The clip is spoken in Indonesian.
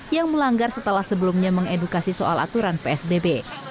yang melanggar setelah sebelumnya mengedukasi soal aturan psbb